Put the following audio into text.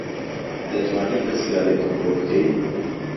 دەتوانی پرسیارێکم بۆ بکەی